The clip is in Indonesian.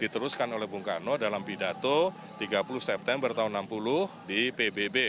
diteruskan oleh bung karno dalam pidato tiga puluh september tahun seribu sembilan ratus enam puluh di pbb